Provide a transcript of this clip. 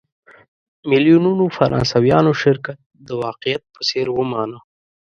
میلیونونو فرانسویانو شرکت د واقعیت په څېر ومانه.